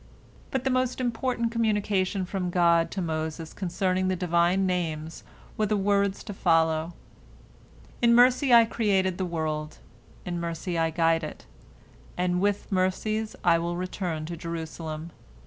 " But the most important communication from God to Moses concerning the Divine Names were the words to follow: "In mercy I created the world; in mercy I guide it; and with mercies I will return to Jerusalem.